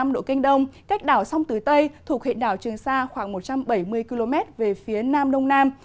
một trăm một mươi năm độ kinh đông cách đảo sông tứ tây thuộc hệ đảo trường sa khoảng một trăm bảy mươi km về phía nam đông nam